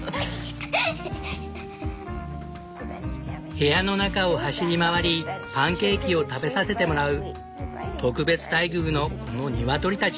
部屋の中を走り回りパンケーキを食べさせてもらう特別待遇のこのニワトリたち。